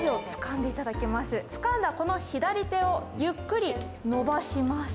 掴んだ左手を、ゆっくり伸ばします。